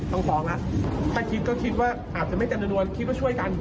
ต้องฟ้องละแต่คิดก็คิดว่าอาจจะไม่จำนวนคิดว่าช่วยกัน